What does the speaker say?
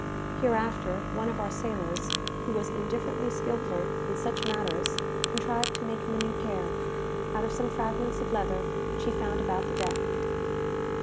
Hereafter, one of our sailors, who was indifferently skilful in such matters, contrived to make him a new pair, out of some fragments of leather which he found about the deck.